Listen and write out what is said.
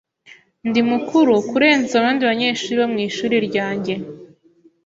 Ndi mukuru kurenza abandi banyeshuri bo mu ishuri ryanjye.